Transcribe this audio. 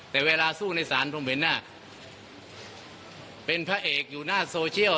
แต่เวลาสู้ในศาลผมเห็นหน้าเป็นพระเอกอยู่หน้าโซเชียล